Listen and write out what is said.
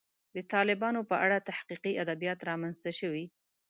د طالبانو په اړه تحقیقي ادبیات رامنځته شوي.